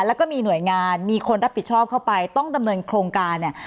แล้วก็มีหน่วยงานมีคนรับผิดชอบเข้าไปต้องดำเนินโครงการเนี่ย